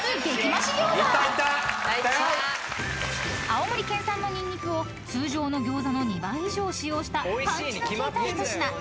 ［青森県産のニンニクを通常の餃子の２倍以上使用したパンチの効いた一品］